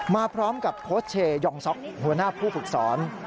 มาพร้อมกับโค้ชเชยองซ็อกหัวหน้าผู้ฝึกสอน